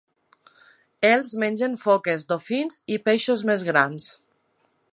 Els mengen foques, dofins i peixos més grans.